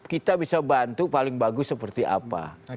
kita bisa bantu paling bagus seperti apa